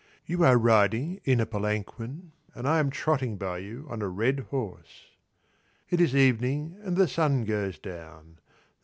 You are riding in a palanquin and I am trotting by you on a red horse. It is evening and the sun goes down.